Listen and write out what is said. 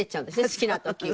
好きな時は。